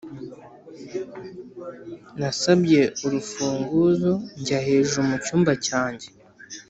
nasabye urufunguzo njya hejuru mucyumba cyanjye.